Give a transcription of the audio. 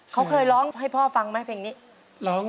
เขาเคยร้องให้พ่อฟังไหมเพลงนี้